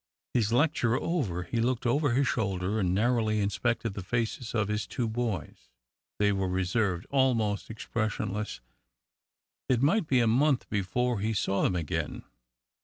His lecture over, he looked over his shoulder and narrowly inspected the faces of his two boys. They were reserved, almost expressionless. It might be a month before he saw them again.